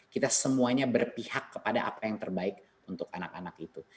kita semuanya berpihak kepada apa yang terbaik untuk anak anak itu